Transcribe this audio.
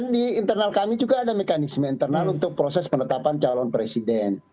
di internal kami juga ada mekanisme internal untuk proses penetapan calon presiden